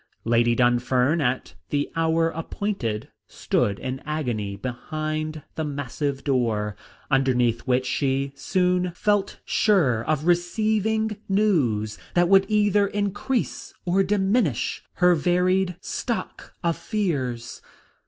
Lady Dunfern, at the hour appointed, stood in agony behind the massive door, underneath which she soon felt sure of receiving news that would either increase or diminish her varied stock of fears.